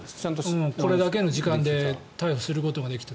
これだけの時間で逮捕することができた。